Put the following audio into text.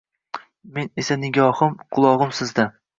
Men esa nigohim, qulog‘im sizda